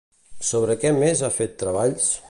Sobre què més ha fet treballs?